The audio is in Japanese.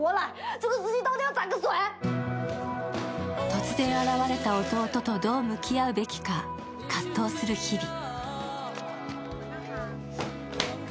突然現れた弟とどう向き合うべきか葛藤する日々。